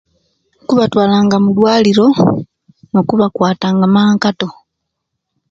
Kubatwala nga mudwaliro nokubakwatanga Mankato